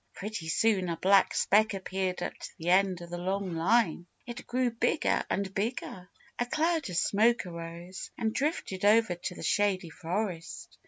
Pretty soon a black speck appeared at the end of the long line. It grew bigger and bigger. A cloud of smoke arose and drifted over to the Shady Forest.